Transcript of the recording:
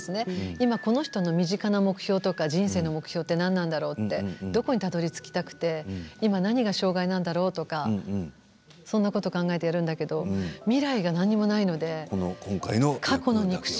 今、この人の身近な目標とか人生の目標って何なんだろうってどこにたどりつきたくて、今何が障害なんだろうってそんなことを考えてやるんだけど未来がなんにもないので今回の役は。